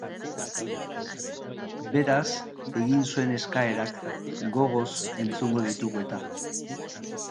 Beraz, egin zuen eskaerak, gogoz entzungo ditugu eta.